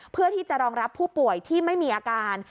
เพื่อที่จะรองรับผู้ป่วยที่ไม่มีอาการ